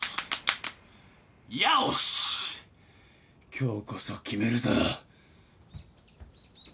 今日こそ決めるぞ。